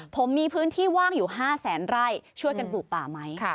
ผมมีพื้นที่ว่างอยู่๕แสนไร่ช่วยกันปลูกป่าไหม